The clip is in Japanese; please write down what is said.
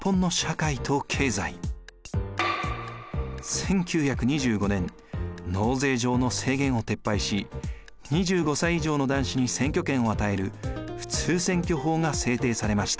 １９２５年納税上の制限を撤廃し２５歳以上の男子に選挙権を与える普通選挙法が制定されました。